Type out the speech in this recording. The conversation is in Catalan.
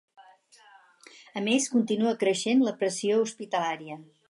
A més, continua creixent la pressió hospitalària.